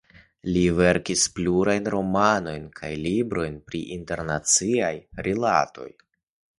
Li verkis plurajn romanojn kaj librojn pri internaciaj rilatoj.